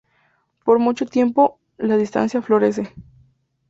Por mucho tiempo, la dinastía florece".